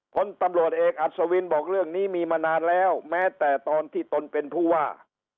ผลตำรวจเอกอัศวินบอกเรื่องนี้มีมานานแล้วแม้แต่ตอนที่ตนเป็นผู้ว่า